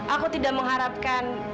aku tidak mengharapkan